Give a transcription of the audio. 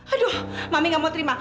aduh mami gak mau terima